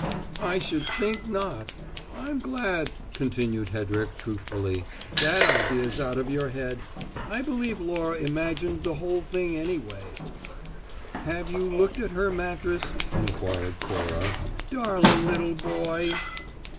"I should think not! I'm glad," continued Hedrick, truthfully, "that idea's out of your head! I believe Laura imagined the whole thing anyway." "Have you looked at her mattress," inquired Cora, "darling little boy?"